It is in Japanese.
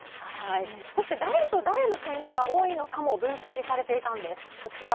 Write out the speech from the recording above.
そして、誰と誰のけんかが多いのかも分析されていたんです。